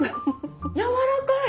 やわらかい！